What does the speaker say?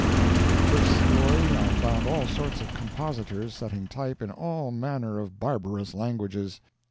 In the fifth story I found all sorts of compositors setting type in all manner of barbarous languages.